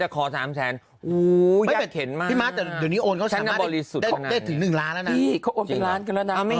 เขาไม่รู้ไงมันจะไปดูด้วยยังไง